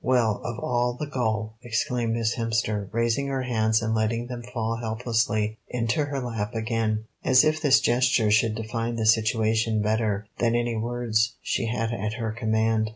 "Well, of all the gall!" exclaimed Miss Hemster, raising her hands and letting them fall helplessly into her lap again, as if this gesture should define the situation better than any words she had at her command.